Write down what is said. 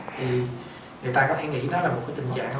thì người ta có thể nghĩ đó là một cái tình trạng thôi